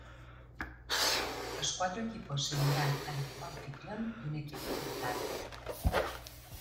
Los cuatro equipos se unirán al equipo anfitrión y un equipo invitado.